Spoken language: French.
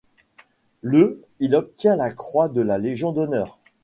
Le il obtient la croix de la Légion d'Honneur.